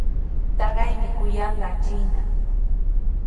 Taqaymi kuyanqaa chiina.